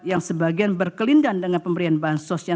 yang sebagian berkelindan dengan pemberian bahan sosial